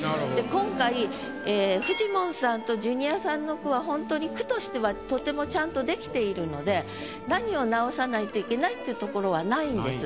今回フジモンさんとジュニアさんの句はホントに句としてはとてもちゃんとできているので何を直さないといけないっていうところはないんです。